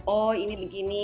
oh ini begini